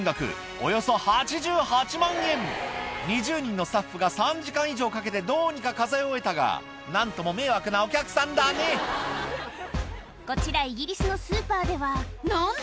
およそ８８万円２０人のスタッフが３時間以上かけてどうにか数え終えたが何とも迷惑なお客さんだねこちらイギリスのスーパーでは何だ？